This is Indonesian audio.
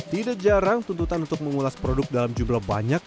tidak jarang tuntutan untuk mengulas produk dalam jumlah banyak